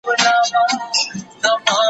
يوه ورځ وو د سرکار دام ته لوېدلى